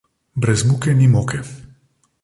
Brez muke ni moke.